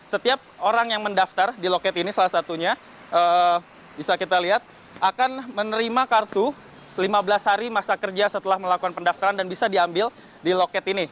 dan setiap orang yang mendaftar di loket ini salah satunya bisa kita lihat akan menerima kartu lima belas hari masa kerja setelah melakukan pendaftaran dan bisa diambil di loket ini